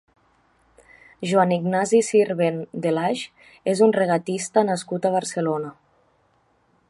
Joan Ignasi Sirvent de Lage és un regatista nascut a Barcelona.